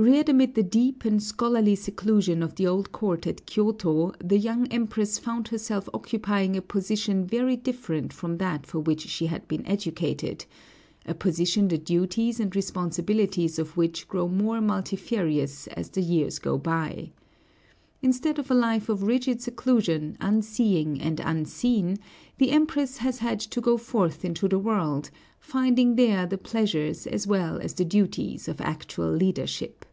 Reared amid the deep and scholarly seclusion of the old court at Kyōto, the young Empress found herself occupying a position very different from that for which she had been educated, a position the duties and responsibilities of which grow more multifarious as the years go by. Instead of a life of rigid seclusion, unseeing and unseen, the Empress has had to go forth into the world, finding there the pleasures as well as the duties of actual leadership.